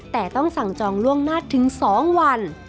แต่ต้องสั่งจองล่วงหน้าถึง๒วัน